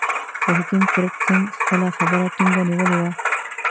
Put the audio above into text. خو حکیم کرت سېنګ خپله خبره ټینګه نیولې وه.